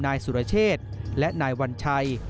นายสุรเชษและนายวัญชัย